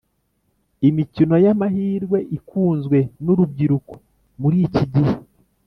Imikino yamahirwe ikunzwe nurubyiruko mur iki gihe